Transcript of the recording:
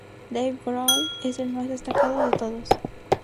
Dave Grohl es el más destacado de todos.